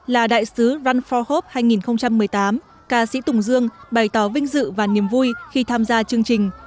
là đại sứ run for hope hai nghìn một mươi tám ca sĩ tùng dương bày tỏ vinh dự và niềm vui khi tham gia chương trình